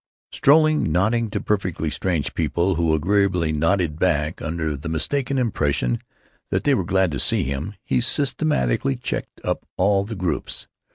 Strolling, nodding to perfectly strange people who agreeably nodded back under the mistaken impression that they were glad to see him, he systematically checked up all the groups.